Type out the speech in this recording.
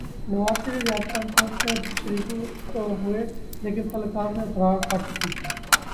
نواز Sharif Riyadh conference میں شریک تو ہوئے لیکن تعلقات میں دراڑ پڑ چکی تھی۔